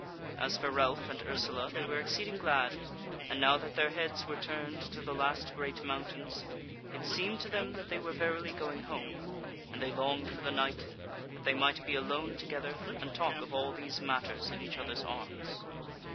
As for Ralph and Ursula, they were exceeding glad, and now that their heads were turned to the last great mountains, it seemed to them that they were verily going home, and they longed for the night, that they might be alone together, and talk of all these matters in each others' arms.